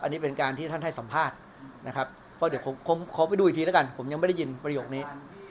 อันนี้เป็นการที่ท่านให้สัมภาษณ์นะครับเพราะเดี๋ยวขอไปดูอีกทีแล้วกันผมยังไม่ได้ยินประโยคนี้